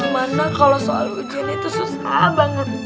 mana kalau soal ujian itu susah banget